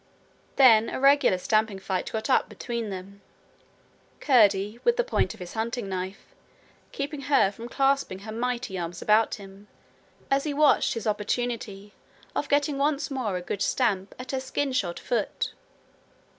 Then a regular stamping fight got up between them, Curdie, with the point of his hunting knife, keeping her from clasping her mighty arms about him, as he watched his opportunity of getting once more a good stamp at her skin shod foot.